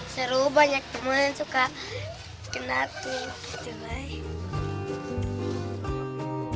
seru banyak teman teman suka kena aku gitu